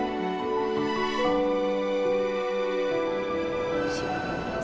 kalau ibu tahu gimana ibu pasti sedih banget